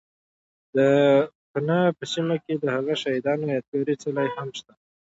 ، د پنه په سیمه کې دهغو شهید انو یاد گاري څلی هم شته